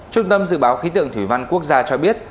trung tâm dự báo khí tượng thủy văn quốc gia cho biết